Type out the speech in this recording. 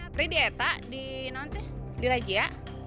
pri di eta di raja